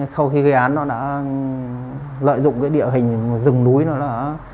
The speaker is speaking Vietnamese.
sau khi gây án nó đã lợi dụng cái địa hình rừng núi nó đã